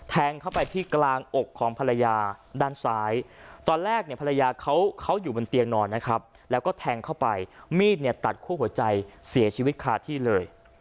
แทงเข้าไปที่กลางอกของภรรยาด้านซ้ายตอนแรกเนี่ยภรรยาเขาอยู่บนเตียงนอนนะครับแล้วก็แทงเข้าไปมีดเนี่ยตัดคั่วหัวใจเสียชีวิตคาที่เลย